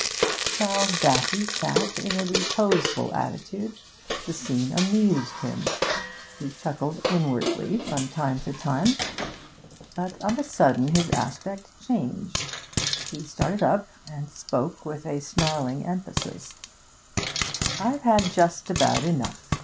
Charles Daffy sat in a reposeful attitude. The scene amused him; he chuckled inwardly from time to time. But of a sudden his aspect changed; he started up, and spoke with a snarling emphasis. 'I've had just about enough.